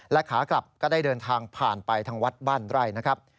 ขากลับก็ได้เดินทางผ่านไปทางวัดบ้านไร่นะครับ